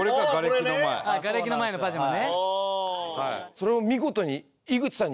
それを見事に。